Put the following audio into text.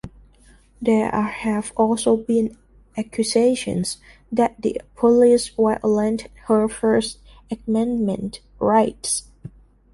There have also been accusations that the police violated her First Amendment rights.